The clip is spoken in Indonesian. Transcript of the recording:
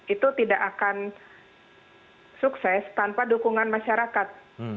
itu tidak akan sukses tanpa dukungan masyarakat